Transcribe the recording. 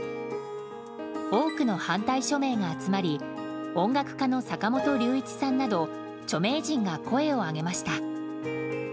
多くの反対署名が集まり音楽家の坂本龍一さんなど著名人が声を上げました。